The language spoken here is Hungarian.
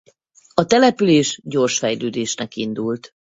A település gyors fejlődésnek indult.